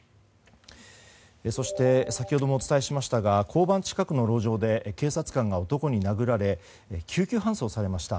そして先ほどもお伝えしましたが交番近くの路上で警察官が男に殴られ救急搬送されました。